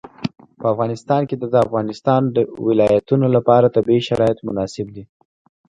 په افغانستان کې د د افغانستان ولايتونه لپاره طبیعي شرایط مناسب دي.